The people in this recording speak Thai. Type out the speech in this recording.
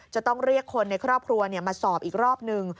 จะต้องเรียกคนในครอบครัวมาสอบอีกรอบนึง